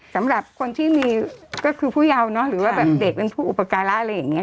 สำหรับคนที่มีก็คือผู้เยาเนอะหรือว่าแบบเด็กเป็นผู้อุปการะอะไรอย่างนี้